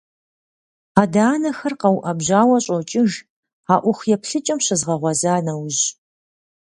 Адэ-анэхэр къэуӀэбжьауэ щӀокӀыж а Ӏуэху еплъыкӀэм щызгъэгъуэза нэужь.